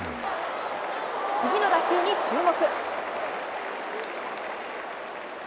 次の打球に注目。